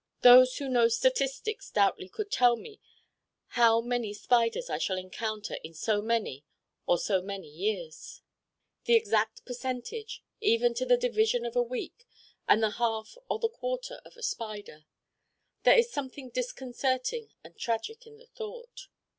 Those who know statistics doubtless could tell me how many Spiders I shall encounter in so many or so many years: the exact percentage even to the division of a week and the half or the quarter of a Spider. There is something disconcerting and tragic in the thought.